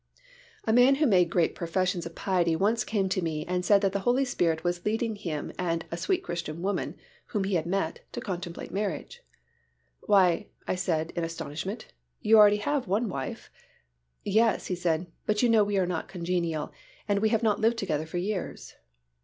A man who made great professions of piety once came to me and said that the Holy Spirit was leading him and "a sweet Christian woman," whom he had met, to contemplate marriage. "Why," I said, in astonishment, "you already have one wife." "Yes," he said, "but you know we are not congenial, and we have not lived together for years."